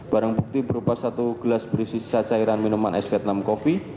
barang bukti berupa satu gelas berisi sisa cairan minuman es vietnam coffee